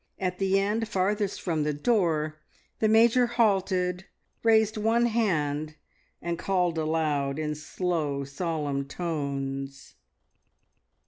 At the end farthest from the door the Major halted, raised one hand, and called aloud in slow, solemn tones.